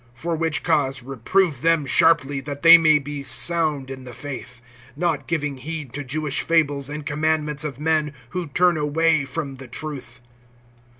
For which cause reprove them sharply, that they may be sound in the faith; (14)not giving heed to Jewish fables, and commandments of men, who turn away from the truth.